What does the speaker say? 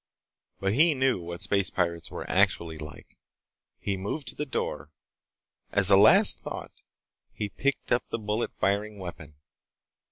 But he knew what space pirates were actually like. He moved to the door. As a last thought, he picked up the bullet firing weapon.